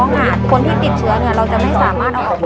คนท้องคนที่ติดเชื้อเนี่ยเราจะไม่สามารถเอาออกมา